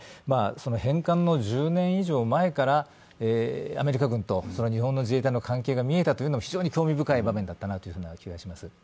その返還の１０年以上前からアメリカ軍と、日本の自衛隊の関係が見えたというのも非常に興味深い場面だったなという気がします。